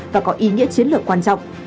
và có ý nghĩa chiến lược quan trọng